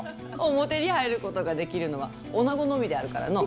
表に入ることができるのは女のみであるからの。